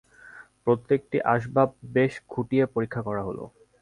প্রত্যেকটি আসবাব বেশ খুঁটিয়ে পরীক্ষা করা হল।